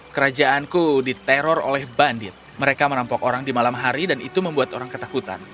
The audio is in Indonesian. kerajaanku diteror oleh bandit mereka merampok orang di malam hari dan itu membuat orang ketakutan